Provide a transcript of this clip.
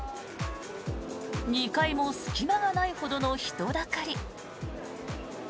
２階も隙間がないほどの人だかり。